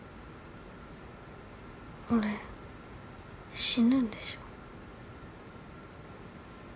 俺死ぬんでしょ？